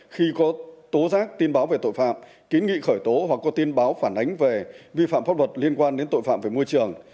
khi có tố giác tin báo về tội phạm kiến nghị khởi tố hoặc có tin báo phản ánh về vi phạm pháp luật liên quan đến tội phạm về môi trường